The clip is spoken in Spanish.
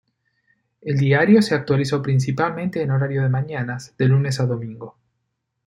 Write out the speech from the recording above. El diario se actualizó, principalmente, en horario de mañanas, de lunes a domingo.